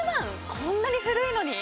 こんなに古いのに？